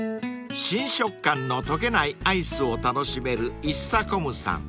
［新食感の溶けないアイスを楽しめるｉｓｓａｃｏｍさん］